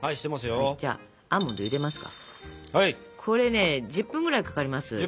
これね１０分ぐらいかかります。